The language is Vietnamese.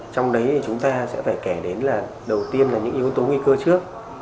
trong đấy thì chúng ta sẽ phải kể đến là đầu tiên là những yếu tố nguy cơ trước